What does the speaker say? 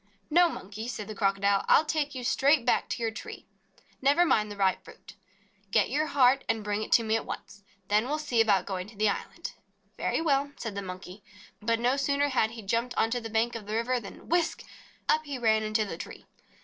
"No, Monkey," said the Crocodile, "I '11 take you straight back to your tree. Never mind the ripe fruit. Get your heart and bring it to me at once. Then we '11 see about going to the island." "Very well," said the Monkey. But no sooner had he jumped onto the bank of the river than whisk! up he ran into the tree.